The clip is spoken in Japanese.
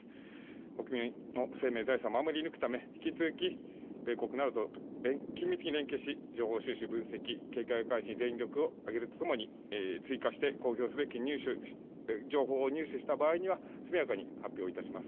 国民の生命・財産を守り抜くため引き続き米国などと緊密に連携し情報収集、分析、警戒監視に全力を挙げるとともに追加して公表すべき情報を入手した場合には速やかに発表いたします。